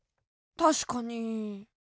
たしかに。